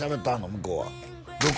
向こうはどこ？